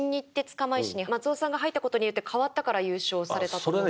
釜石に松尾さんが入ったことによって変わったから優勝されたと思うんですけど。